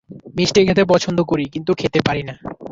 মিষ্টি খেতে পছন্দ করি, কিন্তু খেতে পারি না।